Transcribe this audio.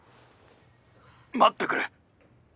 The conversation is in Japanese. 待ってくれ！